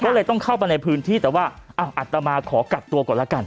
ก็เลยต้องเข้ามาในพื้นที่แต่ว่าอัตมาขอกักตัวก่อนแล้วกัน